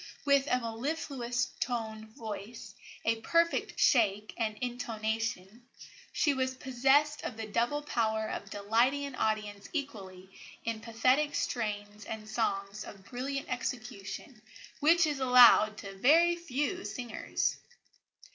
With a mellifluous toned voice, a perfect shake and intonation, she was possessed of the double power of delighting an audience equally in pathetic strains and songs of brilliant execution, which is allowed to very few singers."